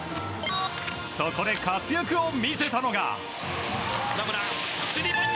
そこで活躍を見せたのが。